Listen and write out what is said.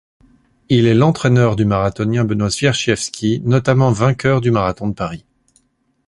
Il est l'entraîneur du marathonien Benoît Zwierzchiewski, notamment vainqueur du marathon de Paris.